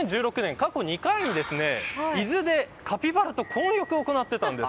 過去２回、伊豆でカピバラと混浴を行っていたんです。